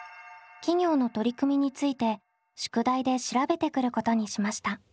企業の取り組みについて宿題で調べてくることにしました。